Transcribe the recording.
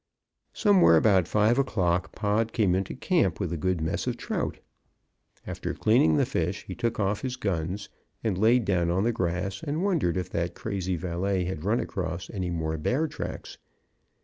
Somewhere about five o'clock Pod came into camp with a good mess of trout. After cleaning the fish, he took off his guns, and laid down on the grass, and wondered if that crazy valet had run across any more bear tracks.